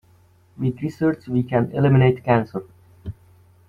With research we can eliminate cancer.